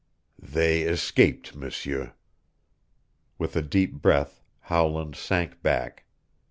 "They escaped, M'seur." With a deep breath Howland sank back.